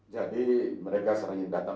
jadi mereka sering datang